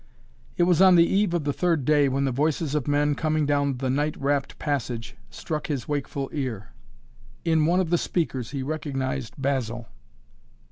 It was on the eve of the third day when the voices of men coming down the night wrapt passage struck his wakeful ear. In one of the speakers he recognized Basil.